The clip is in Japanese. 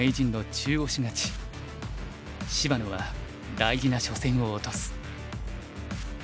芝野は大事な初戦を落とす。